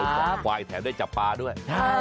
จับควายแถมได้จับปลาด้วย